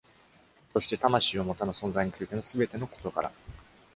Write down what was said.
そして、魂を持たぬ存在についてのすべての事柄。